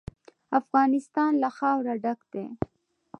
افغانستان له خاوره ډک دی.